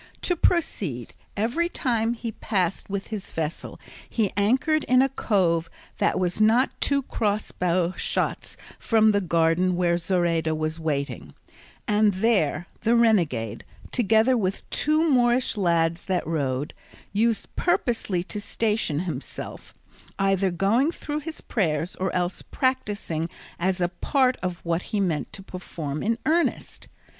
To proceed: every time he passed with his vessel he anchored in a cove that was not two crossbow shots from the garden where Zoraida was waiting; and there the renegade, together with the two Moorish lads that rowed, used purposely to station himself, either going through his prayers, or else practising as a part what he meant to perform in earnest.